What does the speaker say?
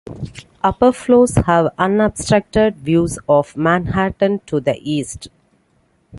Upper floors have unobstructed views of Manhattan to the east.